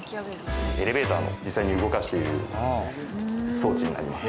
エレベーターを実際に動かしている装置になります。